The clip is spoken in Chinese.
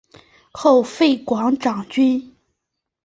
后废广长郡。